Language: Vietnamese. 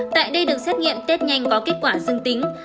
tại đây được xét nghiệm test nhanh có kết quả dương tính